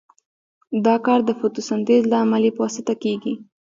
دا کار د فوتو سنتیز د عملیې په واسطه کیږي.